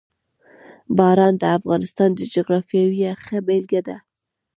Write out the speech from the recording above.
باران د افغانستان د جغرافیې یوه ښه بېلګه ده.